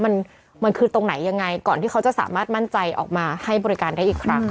มันมันคือตรงไหนยังไงก่อนที่เขาจะสามารถมั่นใจออกมาให้บริการได้อีกครั้ง